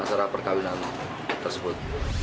kita perkahwinan tersebut